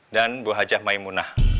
dan bu hj maimunah